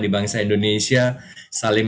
di bangsa indonesia saling